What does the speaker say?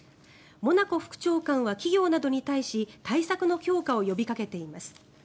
モナコ副長官は企業などに対し対策の強化を呼びかけています。